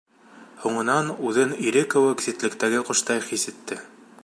Һуңынан үҙен ире кеүек ситлектәге ҡоштай хис итте.